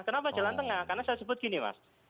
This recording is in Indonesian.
kenapa jalan tengah karena saya sebut gini mas